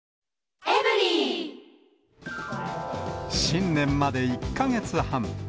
新年まで１か月半。